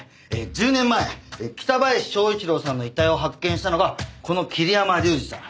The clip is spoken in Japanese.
１０年前北林昭一郎さんの遺体を発見したのがこの桐山竜二さん。